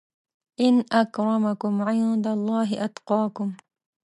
ان اکرمکم عندالله اتقاکم